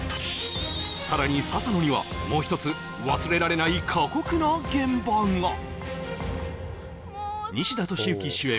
さらに笹野にはもう一つ忘れられない過酷な現場が西田敏行主演